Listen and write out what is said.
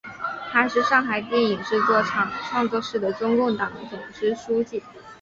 她还是上海电影制片厂创作室的中共党总支书记。